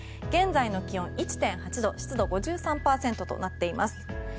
現在の気温１．８度湿度５３％となっています。